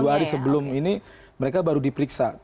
dua hari sebelum ini mereka baru diperiksa